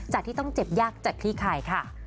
จากที่ต้องเจ็บยากจากที่ไข่